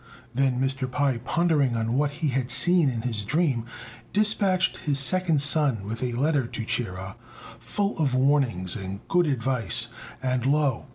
Then Mr. Pai, pondering on what he had seen in his dream, despatched his second son with a letter to Chia, full of warnings and good advice; and lo!